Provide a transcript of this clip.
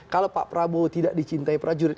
kalau pak prabowo tidak dicintai prajurit